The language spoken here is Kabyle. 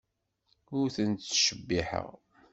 Ur ten-ttcebbiḥeɣ.